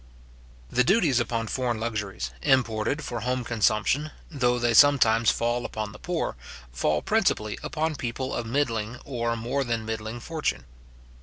The duties upon foreign luxuries, imported for home consumption, though they sometimes fall upon the poor, fall principally upon people of middling or more than middling fortune.